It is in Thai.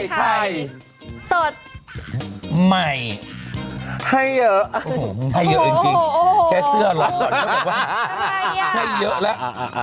ให้เยอะให้เยอะจริงแค่เสื้อหล่อนเขาบอกว่าให้เยอะแล้ว